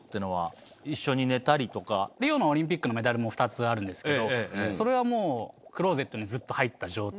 リオのオリンピックのメダルも２つあるんですけどそれはもうクローゼットにずっと入った状態。